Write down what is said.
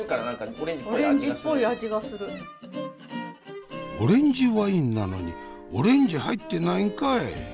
オレンジワインなのにオレンジ入ってないんかい。